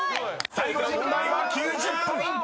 ［最後の問題は９０ポイント！］